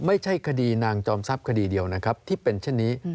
ไม่ใช่คดีนางจอมทรัพย์คดีเดียวนะครับที่เป็นเช่นนี้